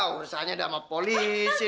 wah ursanya ada sama polisi nih